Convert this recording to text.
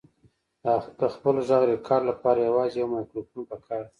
د خپل غږ ریکارډ لپاره یوازې یو مایکروفون پکار دی.